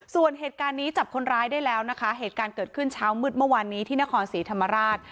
ส่วนเหตุการณ์นี้จับคนร้ายได้แล้วนะคะเหตุการณ์เกิดขึ้นเช้ามืดเมื่อวานนี้ที่นครศรีธรรมราช